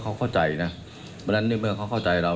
เพราะฉะนั้นเมื่อเขาเข้าใจเรา